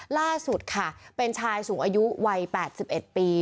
ล่าสุดค่ะเป็นชายสูงอายุวัย๘๑ปี